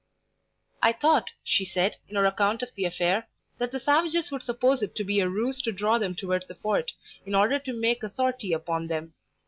"I thought," she said, in her account of the affair, "that the savages would suppose it to be a ruse to draw them towards the fort, in order to make a sortie upon them.